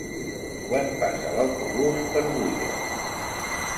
Quan passa l'autobús per Búger?